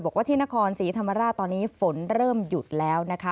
บอกว่าที่นครศรีธรรมราชตอนนี้ฝนเริ่มหยุดแล้วนะคะ